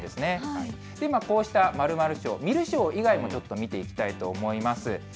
今、こうした○○将、観る将以外も見ていきたいと思います。